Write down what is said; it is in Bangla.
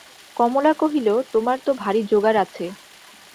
কমলা কহিল, তোমার তো ভারি জোগাড় আছে!